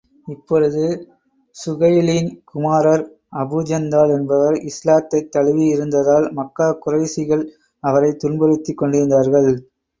அப்பொழுது, ஸூஹைலின் குமாரர் அபூஜந்தல் என்பவர் இஸ்லாத்தைத் தழுவி இருந்ததால், மக்கா குறைஷிகள் அவரை துன்புறுத்திக் கொண்டிருந்தார்கள்.